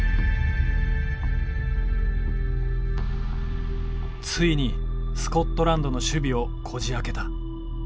ついにスコットランドの守備をこじあけた。